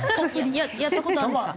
やった事あるんですか？